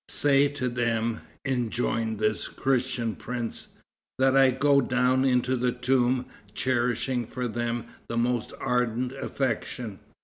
"Say to them," enjoined this Christian prince, "that I go down into the tomb cherishing for them the most ardent affection.